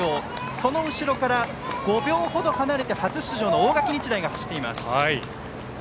その後ろから５秒程離れて初出場の大垣日大が走っています。